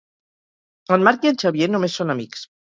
En Marc i en Xavier només són amics.